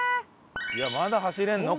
いやまだ走れるの？